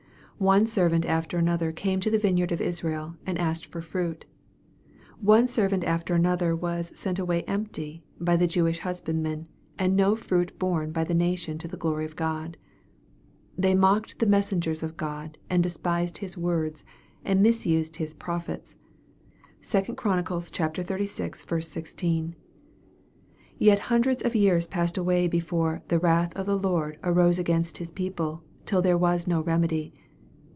One servant after another carne to the vineyard of Israel, and asked for fruit. One ser vant after another was " sent away empty" by the Jew ish husbandmen, and no fruit borne by the nation to the glory of God. " They mocked the messengers of God, and despised His words, and misused His prophets." (2 Chron. xxxvi. 16.) Yet hundreds of years passed away before " the wrath of the Lord arose against His people, till there was no remedy."